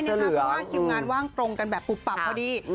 เพราะว่าคิวงานว่างตรงกันแบบปุบปับพอดี